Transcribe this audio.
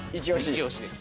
一押しです。